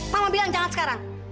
mama bilang jangan sekarang